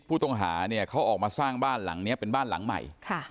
ผู้ต้องหาเนี่ยเขาออกมาสร้างบ้านหลังนี้เป็นบ้านหลังใหม่